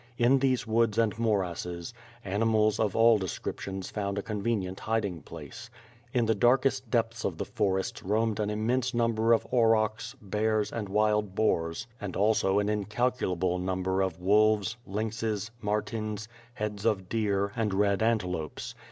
In these woods and morasses, animal?, of all descriptions found a convenient hiding place. In tlie darkest depths of the forests roamed an immense number of aurochs,* bears, and wild boars, and also an incalculable number of wolves, lynxes, martens, herds of deer, and red antelopes.